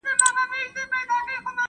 مطالعې، څېړنو او لیکنو سره دغه ستره معنوي